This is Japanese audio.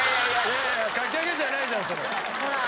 いやいやかき揚げじゃないじゃんそれ。